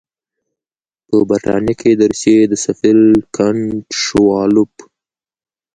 په برټانیه کې د روسیې سفیر کنټ شووالوف.